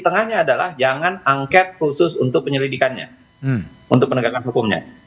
tengahnya adalah jangan angket khusus untuk penyelidikannya untuk penegakan hukumnya